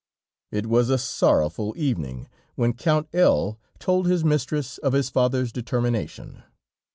It was a sorrowful evening, when Count L told his mistress of his father's determination.